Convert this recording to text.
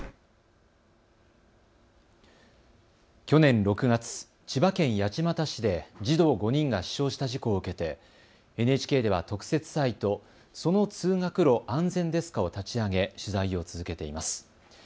去年６月、千葉県八街市で児童５人が死傷した事故を受けて、ＮＨＫでは特設サイトその通学路、安全ですかを立ち上げ、取材を続けています。